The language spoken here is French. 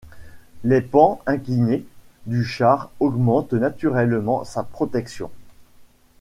Les pans inclinés du char augmentent naturellement sa protection.